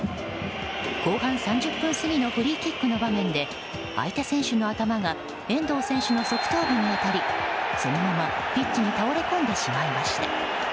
後半３０分過ぎのフリーキックの場面で相手選手の頭が遠藤選手の側頭部に当たりそのままピッチに倒れ込んでしまいました。